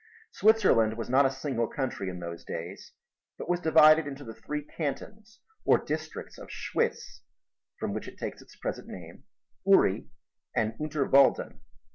Switzerland was not a single country in those days, but was divided into the three cantons or districts of Schwyz (from which it takes its present name) Uri and Unterwalden.